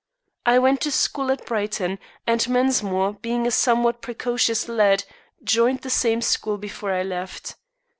I went to school at Brighton, and Mensmore, being a somewhat precocious lad, joined the same school before I left.